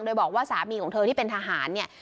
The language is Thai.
โดยบอกว่าสามีของเธอที่เป็นทหารเนี่ย